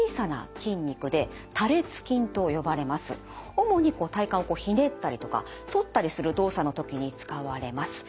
主に体幹をひねったりとか反ったりする動作の時に使われます。